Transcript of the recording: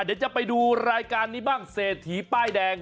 เดี๋ยวจะไปดูรายการนี้บ้างเศรษฐีป้ายแดง